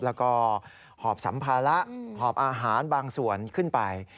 แล้วก็หอบสัมภาระหอบอาหารบางส่วนขึ้นไป